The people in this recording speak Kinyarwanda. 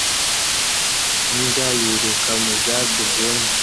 imbwa yiruka mu byatsi byumye